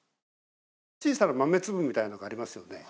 小さな豆粒みたいなのがありますよね